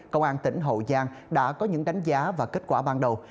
công an tỉnh hậu giang đã có những đánh giá và kết quả ban đầu